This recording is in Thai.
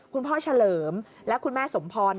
คุณพ่อเฉลิมและคุณแม่สมพร